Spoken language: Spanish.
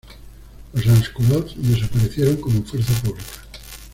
Los "sans-culottes" desaparecieron como fuerza pública.